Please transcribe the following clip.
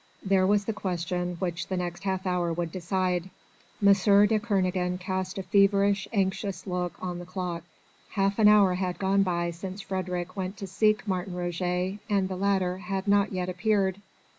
There was the question which the next half hour would decide. M. de Kernogan cast a feverish, anxious look on the clock. Half an hour had gone by since Frédérick went to seek Martin Roget, and the latter had not yet appeared.